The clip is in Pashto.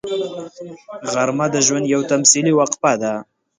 غرمه د ژوند یوه تمثیلي وقفه ده